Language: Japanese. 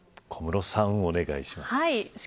小室さん、お願いします。